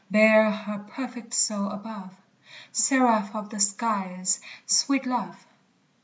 Bear her perfect soul above. Seraph of the skies, sweet love!